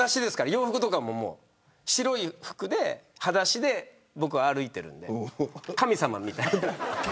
洋服とかも白い服ではだしで僕は歩いているんで神様みたいな。